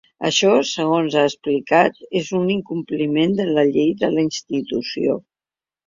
Això, segons ha explicat, és un incompliment de la llei de la institució.